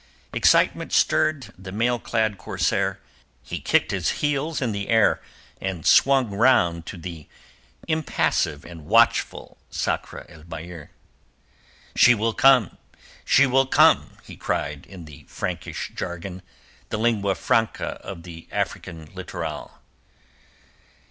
Excitement stirred the mail clad corsair; he kicked his heels in the air, then swung round to the impassive and watchful Sakr el Bahr. "She will come! She will come!" he cried in the Frankish jargon—the lingua franca of the African littoral.